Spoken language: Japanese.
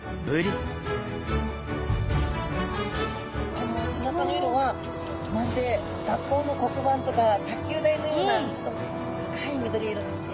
あの背中の色はまるで学校の黒板とか卓球台のようなちょっと深い緑色ですね。